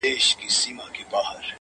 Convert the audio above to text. • زما د ميني ليونيه، ستا خبر نه راځي،